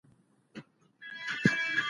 پـر مـخ د عـلم دروازې وتـړل شي.